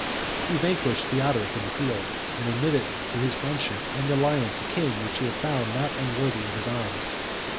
He vanquished Theodoric in the field; and admitted to his friendship and alliance a king whom he had found not unworthy of his arms.